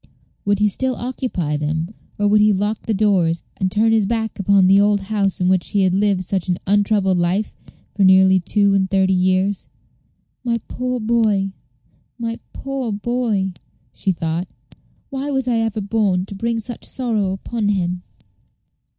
Would he still occupy them, or would he lock the doors, and turn his back upon the old house in which he had lived such an untroubled life for nearly two and thirty years? "My poor boy, my poor boy!" she thought. "Why was I ever born to bring such sorrow upon him?"